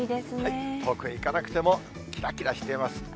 遠くへ行かなくてもきらきらしています。